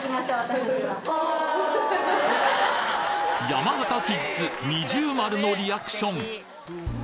山形キッズ◎のリアクション